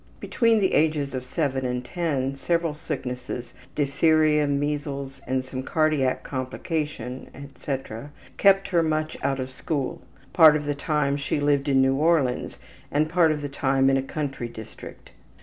Between the ages of 7 and 10 several sicknesses, diphtheria, measles with some cardiac complication, etc., kept her much out of school. Part of the time she lived in New Orleans, and part of the time in a country district.